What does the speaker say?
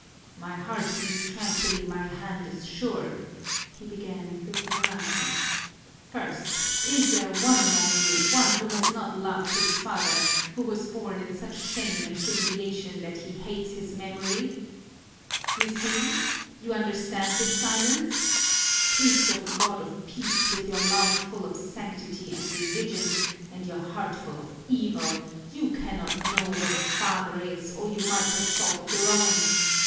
"My heart beats tranquilly, my hand is sure," he began, looking around him. "First, is there one among you, one who has not loved his father, who was born in such shame and humiliation that he hates his memory? You see? You understand this silence? Priest of a God of peace, with your mouth full of sanctity and religion and your heart full of evil, you cannot know what a father is, or you might have thought of your own!